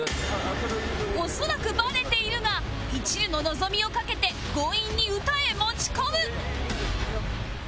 恐らくバレているが一縷の望みを懸けて強引に歌へ持ち込む